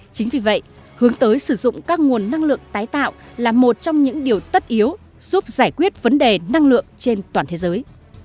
chính vì vậy hướng tới sử dụng các nguồn năng lượng tái tạo là một trong những điều tất yếu giúp giải quyết vấn đề năng lượng trên toàn thế giới